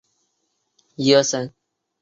召集人为彭百显。